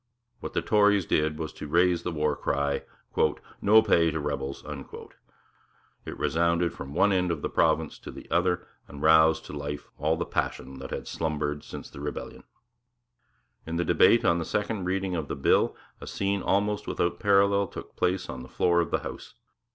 What the Tories did was to raise the war cry, 'No pay to rebels.' It resounded from one end of the province to the other and roused to life all the passion that had slumbered since the rebellion. In the debate on the second reading of the bill a scene almost without parallel took place on the floor of the House.